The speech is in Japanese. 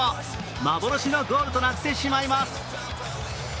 幻のゴールとなってしまいます。